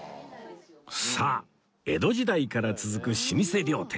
さあ江戸時代から続く老舗料亭